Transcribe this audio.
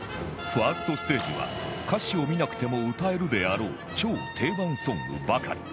１ｓｔ ステージは歌詞を見なくても歌えるであろう超定番ソングばかり